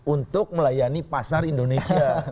untuk melayani pasar indonesia